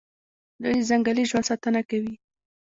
دوی د ځنګلي ژوند ساتنه کوي.